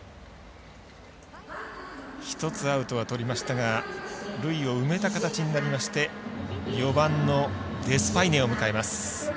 １つアウトはとりましたが塁を埋めた形になりまして４番のデスパイネを迎えます。